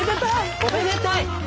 おめでたい！